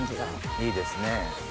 いいですね。